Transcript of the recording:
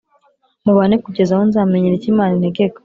mubane kugeza aho nzamenyera icyo Imana integeka.